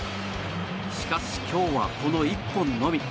しかし、今日はこの１本のみ。